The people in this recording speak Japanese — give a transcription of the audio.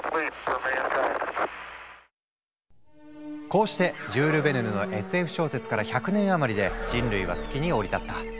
こうしてジュール・ヴェルヌのＳＦ小説から１００年余りで人類は月に降り立った。